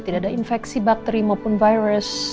tidak ada infeksi bakteri maupun virus